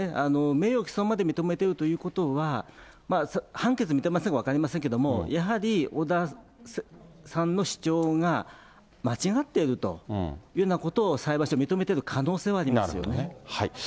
名誉毀損まで認めてるということは、判決見てませんから分かりませんけれども、やはり織田さんの主張が間違っているというようなことを、裁判所、なるほどね。